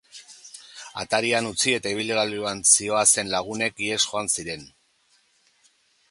Atarian utzi eta ibilgailuan zihoazen lagunak ihesi joan ziren.